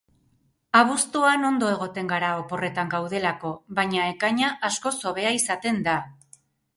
Abuztuan ondo egoten gara oporretan gaudelako, baina ekaina askoz hobea izaten da.